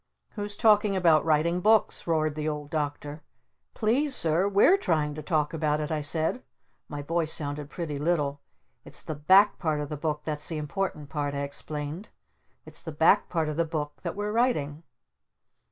"Who's talking about writing books?" roared the Old Doctor. "Please, Sir, we're trying to talk about it," I said. My voice sounded pretty little. "It's the back part of the book that's the important part," I explained. "It's the back part of the book that we're writing!"